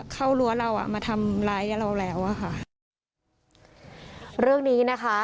รั้วเราอ่ะมาทำร้ายกับเราแล้วอ่ะค่ะเรื่องนี้นะคะ